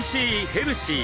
ヘルシー！